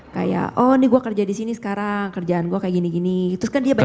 kayak oh nih gue kerja di sini sekarang kerjaan gue kayak gini gini terus kan dia banyak